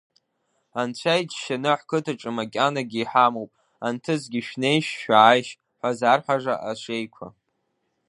Анцәа иџьшьаны ҳқыҭаҿы макьанагьы иҳамоуп, анҭыҵгьы шәнеишь-шәааишь ҳәа зарҳәаша аҽеиқәа!